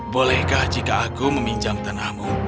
bolehkah jika aku meminjam tanahmu